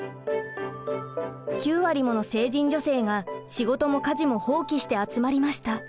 ９割もの成人女性が仕事も家事も放棄して集まりました。